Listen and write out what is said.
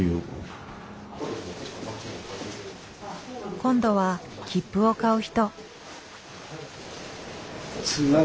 今度は切符を買う人。